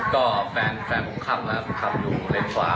ก็แฟนของผมขับอยู่เล็งสวา